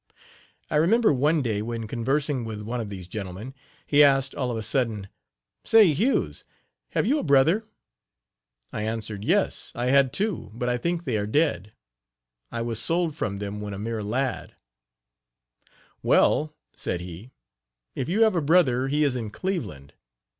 I remember one day when conversing with one of these gentlemen, he asked, all of a sudden: "Say, Hughes, have you a brother?" I answered: "Yes, I had two, but I think they are dead. I was sold from them when a mere lad." "Well," said he, "if you have a brother he is in Cleveland.